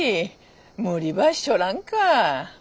無理ばしちょらんか？